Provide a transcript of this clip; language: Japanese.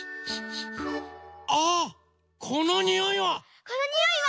あっこのにおいは！